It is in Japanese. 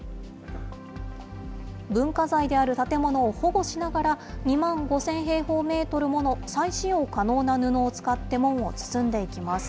文化財である建物を保護しながら、２万５０００平方メートルもの再使用可能な布を使って門を包んでいきます。